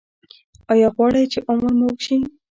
ایا غواړئ چې عمر مو اوږد شي؟